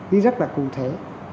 đi rất là cụ thể